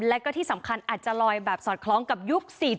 และก็ที่สำคัญอาจจะลอยแบบสอดคล้องกับยุค๔๐